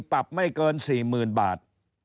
ปรับไม่เกิน๔๐๐๐บาท